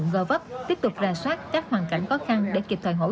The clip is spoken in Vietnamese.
để mà mình có kịp thời để mình chăm lo hỗ trợ